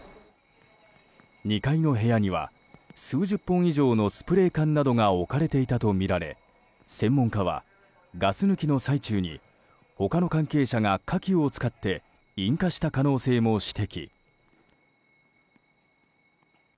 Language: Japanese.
２階の部屋には数十本以上のスプレー缶が置かれていたとみられ専門家はガス抜きの最中に他の関係者が火器を使って引火した可能性も指摘。